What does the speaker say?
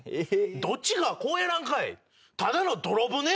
どっちかこうやらんかい。